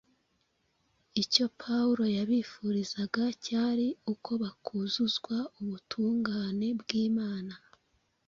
Icyo Pawulo yabifurizaga cyari uko bakuzuzwa ubutungane bw’Imana,